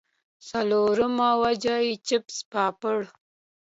څلورمه وجه ئې چپس پاپړ